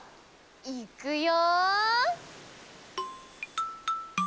いくよ！